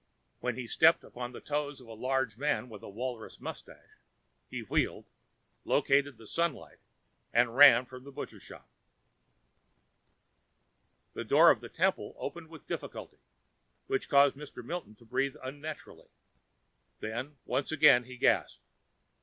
When he stepped upon the toe of a large man with a walrus mustache, he wheeled, located the sunlight and ran from the butcher shop.... The door of the temple opened with difficulty, which caused Mr. Milton to breathe unnaturally. Then, once inside, he gasped.